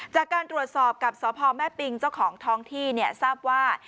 จากการตรวจสอบกับสพแม่ปิงเจ้าของท้องที่เนี่ยทราบว่า